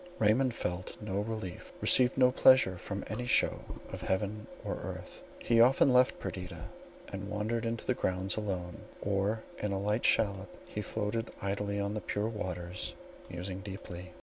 Raymond felt no relief, received no pleasure from any show of heaven or earth. He often left Perdita, to wander in the grounds alone; or in a light shallop he floated idly on the pure waters, musing deeply.